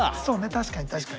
確かに確かに。